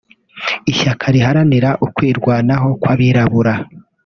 ishyaka riharanira ukwirwanaho kw’abirabura